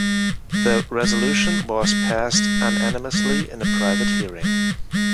The resolution was passed unanimously in a private hearing.